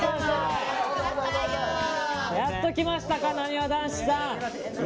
やっと来ましたかなにわ男子さん。